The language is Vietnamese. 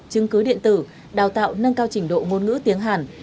chứng cứ điện tử đào tạo nâng cao trình độ ngôn ngữ tiếng hàn